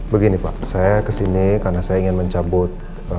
begini pak saya kesini karena saya ingin mencabut